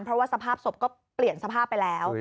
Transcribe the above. เพราะว่าสภาพศพก็เปลี่ยนสภาพไปแล้ว